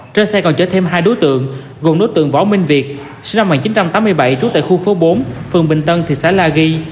trên xe còn chở thêm hai đối tượng gồm đối tượng võ minh việt sinh năm một nghìn chín trăm tám mươi bảy trú tại khu phố bốn phường bình tân thị xã la ghi